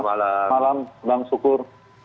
selamat malam bang sukur